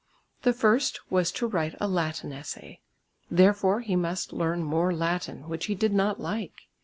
The first was to write a Latin essay; therefore he must learn more Latin, which he did not like.